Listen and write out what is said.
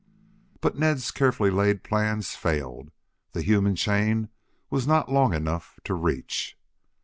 But Ned's carefully laid plans failed. The human chain was not long enough to reach.